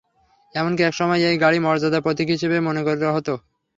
এমনকি এক সময় এই গাড়ি মর্যাদার প্রতীক হিসেবে মনে করা হতো।